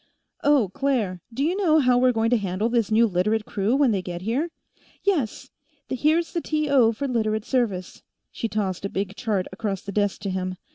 "Oh, Claire; do you know how we're going to handle this new Literate crew, when they get here?" "Yes, here's the TO for Literate service." She tossed a big chart across the desk to him.